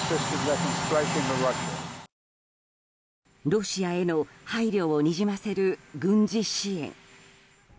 ロシアへの配慮をにじませる軍事支援。